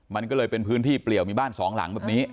มันก็เลยเป็นพื้นที่เปลี่ยวมีบ้านสองหลังแบบนี้